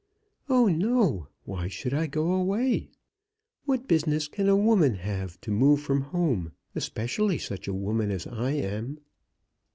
"Oh, no! why should I go away? What business can a woman have to move from home, especially such a woman as I am."